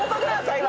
今。